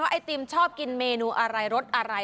ไอติมชอบกินเมนูอะไรรสอะไร